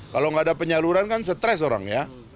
kalau nggak ada penyaluran kan stres orang ya